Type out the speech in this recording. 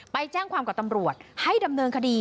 ไปแจ้งความกับตำรวจให้ดำเนินคดี